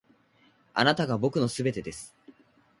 あなたが僕の全てです．